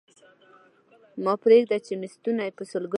ما پرېږده چي مي ستونی په سلګیو اوبومه؛